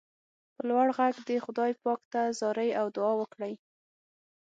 په لوړ غږ دې خدای پاک ته زارۍ او دعا وکړئ.